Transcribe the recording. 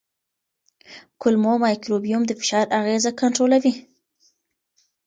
کولمو مایکروبیوم د فشار اغېزه کنټرولوي.